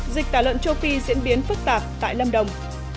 dịch tả lợn châu phi diễn biến phức tạp tại lâm đồng